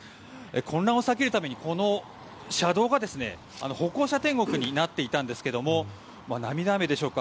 混乱を避けるためにこの車道が歩行者天国になっていたんですが涙雨でしょうか